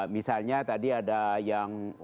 misalnya tadi ada yang